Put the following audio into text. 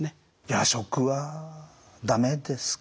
夜食は駄目ですか？